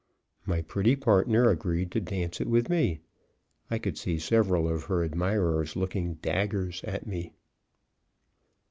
My pretty partner agreed to dance it with me; I could see several of her admirers looking "daggers" at me.